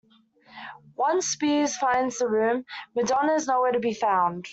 Once Spears finds the room, Madonna is nowhere to be found.